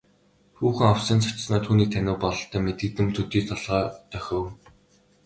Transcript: Хүүхэн овсхийн цочсоноо түүнийг танив бололтой мэдэгдэм төдий толгой дохив.